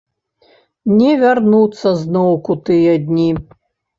Не вярнуцца зноўку тыя дні.